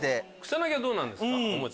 草薙はどうなんですか？